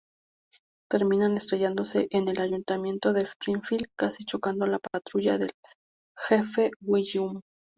Terminan estrellándose en el Ayuntamiento de Springfield, casi chocando la patrulla del jefe Wiggum.